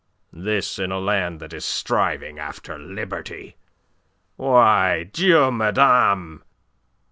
This in a land that is striving after liberty. Why, Dieu me damne!